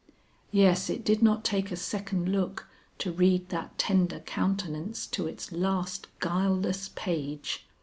Yes, it did not take a second look to read that tender countenance to its last guileless page.